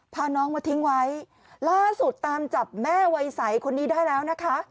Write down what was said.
พาน้องมาทิ้งไว้ล่าสุดตามจับแม่วัยใสคนนี้ได้แล้วนะคะ